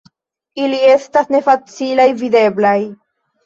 Ili estas ne facilaj videblaj.